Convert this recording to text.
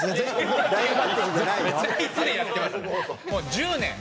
もう１０年。